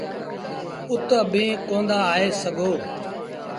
اُت اڀيٚنٚ ڪوندآ آئي سگھو۔